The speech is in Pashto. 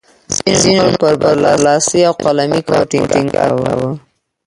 ځینو نورو پر برلاسي او قلمي کارونو ټینګار کاوه.